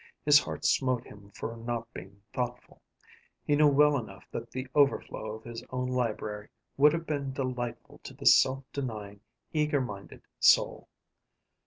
His heart smote him for not being thoughtful; he knew well enough that the overflow of his own library would have been delightful to this self denying, eager minded soul.